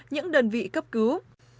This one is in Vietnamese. những đơn vị cấp cứu